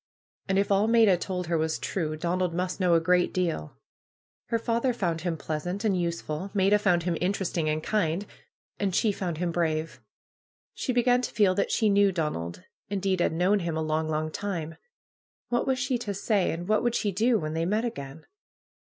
And if all Maida told her was true, Donald must know a gr^t deal. Her father found him pleasant and useful; Maida found him interesting and kind; and she found him brave. She began to feel that she knew Donald; indeed, had known him a long, long time What was she to say, and what would she do, when they met again